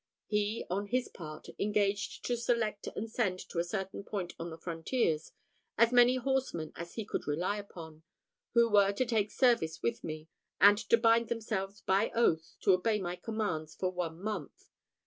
He, on his part, engaged to select and send to a certain point on the frontiers, as many horsemen as he could rely upon, who were to take service with me, and to bind themselves by oath to obey my commands for one month.